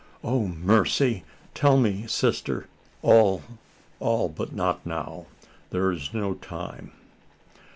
"O mercy! tell me, sister " "All all but not now there is no time."